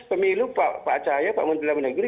pemilu pak cahyo pak menteri negeri